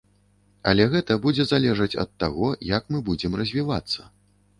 Але гэта будзе залежаць ад таго, як мы будзем развівацца.